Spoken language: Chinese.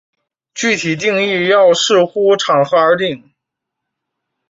具体定义要视乎场合而定。